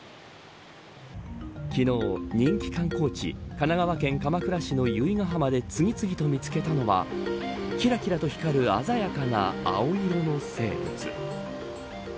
昨日、人気観光地神奈川県鎌倉市の由比ケ浜で次々と見つけたのはきらきらと光る鮮やかな青色の生物。